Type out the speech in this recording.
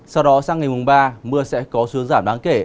sau đó sang ngày mùng ba mưa sẽ có xuống giảm đáng kể